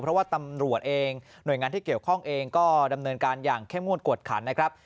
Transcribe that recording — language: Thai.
เพราะว่าตำรวจเองหน่วยงานที่เกี่ยวข้องเองก็ดำเนินการอย่างเข้มงวดกวดขันนะครับ